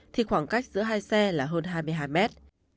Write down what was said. thì khoảng cách giữa hai xe là hơn hai mươi hai mét